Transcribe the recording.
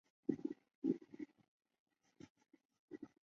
当时业务在香港经营地基工程项目。